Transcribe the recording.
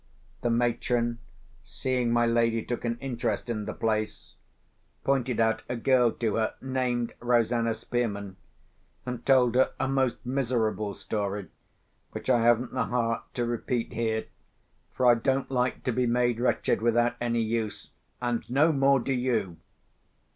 The matron, seeing my lady took an interest in the place, pointed out a girl to her, named Rosanna Spearman, and told her a most miserable story, which I haven't the heart to repeat here; for I don't like to be made wretched without any use, and no more do you.